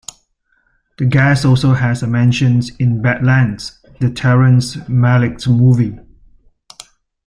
The gas also has a mention in "Badlands," the Terrence Malick movie.